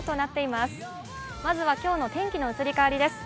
まずは今日の天気の移り変わりです。